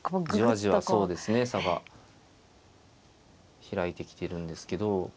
じわじわそうですね差が開いてきてるんですけど。